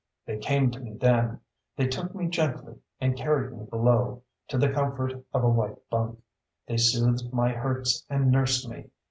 They came to me, then. They took me gently and carried me below, to the comfort of a white bunk. They soothed my hurts and nursed me.